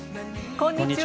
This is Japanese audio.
こんにちは。